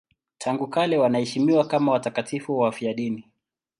Tangu kale wanaheshimiwa kama watakatifu wafiadini.